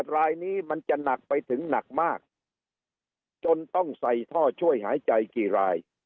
รายนี้มันจะหนักไปถึงหนักมากจนต้องใส่ท่อช่วยหายใจกี่ราย